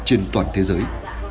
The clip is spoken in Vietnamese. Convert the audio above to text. trên toàn thế giới